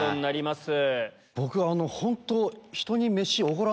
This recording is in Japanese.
僕本当。